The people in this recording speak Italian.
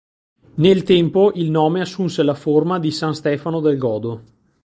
Nel tempo il nome assunse la forma di "San Stefano del Godo".